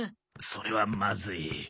それはまずい。